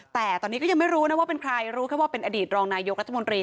แต่ตอนนี้ก็ยังไม่รู้นะว่าเป็นใครรู้แค่ว่าเป็นอดีตรองนายกรัฐมนตรี